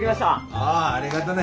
ああありがとね。